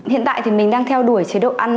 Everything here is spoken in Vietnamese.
hiện tại thì mình đang theo đuổi chế độ ăn